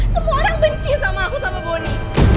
semua orang benci sama aku sama boni